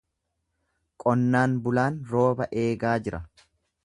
Qonnaan bulaan rooba eegaa jira.